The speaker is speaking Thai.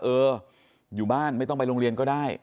เอออยู่บ้านไม่ต้องไปโรงเรียนก็ได้